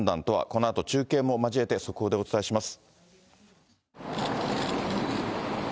このあと中継を交えて速報でお伝えします。